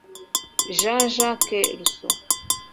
Jean-Jacques Rousseau